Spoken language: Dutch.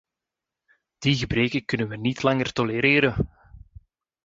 Die gebreken kunnen we niet langer tolereren!